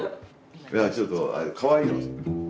じゃあちょっとかわいいの。